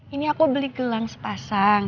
ini aku beli gelang sepasang